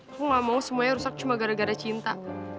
aku gak mau semuanya rusak cuma gara gara cinta